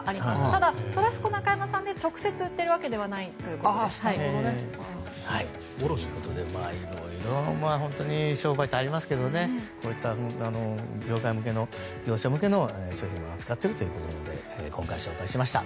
ただ、トラスコ中山さんで直接売っているわけではないということで。ということで色々、商売ってありますが業者向けの商品も扱っているということなので今回、紹介しました。